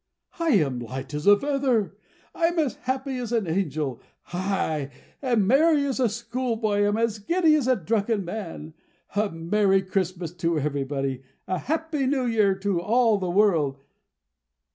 "I am as light as a feather, I am as happy as an angel, I am as merry as a school boy. I am as giddy as a drunken man. A Merry Christmas to everybody! A Happy New Year to all the world!